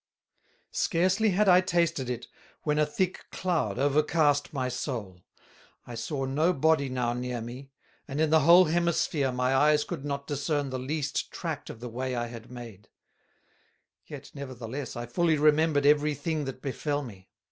] Scarcely had I tasted it, when a thick Cloud overcast my Soul: I saw no body now near me; and in the whole Hemisphere my Eyes could not discern the least Tract of the way I had made; yet nevertheless I fully remembered every thing that befel me.